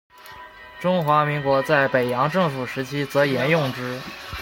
中华民国在北洋政府时期则沿用之。